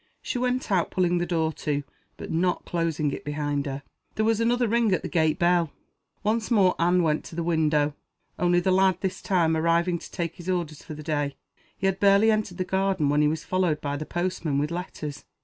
She went out, pulling the door to, but not closing it behind her. There was another ring at the gate bell. Once more Anne went to the window. Only the lad, this time; arriving to take his orders for the day. He had barely entered the garden when he was followed by the postman with letters.